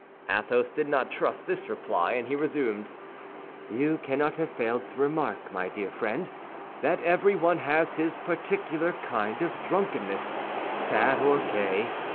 Athos did not trust this reply, and he resumed; "you cannot have failed to remark, my dear friend, that everyone has his particular kind of drunkenness, sad or gay.